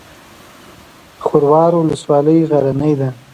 خروار ولسوالۍ غرنۍ ده؟